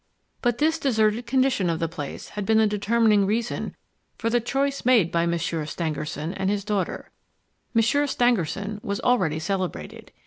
But this deserted condition of the place had been the determining reason for the choice made by Monsieur Stangerson and his daughter. Monsieur Stangerson was already celebrated.